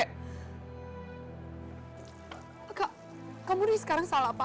kak kamu ini sekarang salah paham